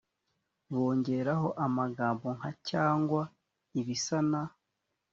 bongeraho amagambo nka cyangwa ibisa na